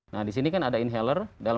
nah di sini kan ada inhaler